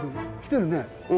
きてるね。